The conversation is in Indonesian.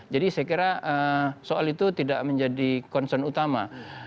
jadi saya kira soal itu tidak menjadi concern utama